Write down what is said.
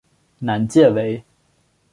南界为。